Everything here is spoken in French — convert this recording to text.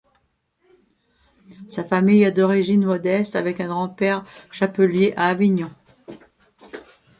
Sa famille est d'origine modeste, avec un grand-père chapelier à Avignon.